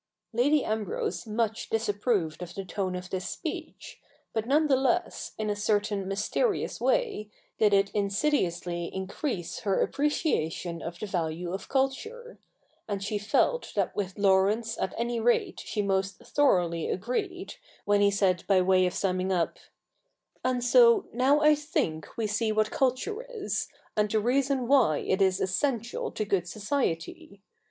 Lady Ambrose much disapproved of the tone of this speech ; but none the less, in a certain mysterious way, did it insidiously increase her appreciation of the value of culture ; and she felt that with Laurence at any rate she most thoroughly agreed, when he said by way of summing up, ' And so now I think we see what culture is, and the reason why it is essential to good society.